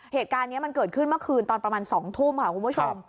เหตุการณ์นี้มันเกิดขึ้นเมื่อคืนตอนประมาณ๒ทุ่มค่ะคุณผู้ชม